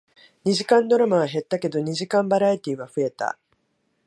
二時間ドラマは減ったけど、二時間バラエティーは増えた